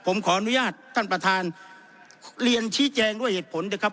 ผมขออนุญาตท่านประธานเรียนชี้แจงด้วยเหตุผลนะครับ